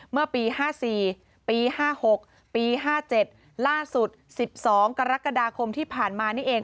เมื่อปี๕๔ปี๕๖ปี๕๗ล่าสุด๑๒กรกฎาคมที่ผ่านมานี่เอง